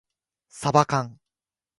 さばかん